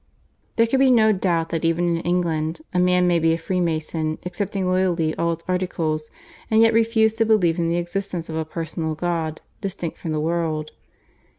There can be no doubt that even in England a man may be a Freemason accepting loyally all its articles, and yet refuse to believe in the existence of a personal God distinct from the world.